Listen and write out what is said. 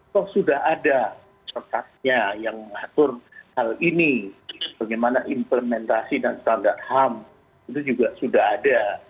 kok sudah ada perkatnya yang mengatur hal ini bagaimana implementasi dan standar ham itu juga sudah ada